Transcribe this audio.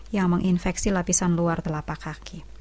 yang menginfeksi lapisan luar telapak kaki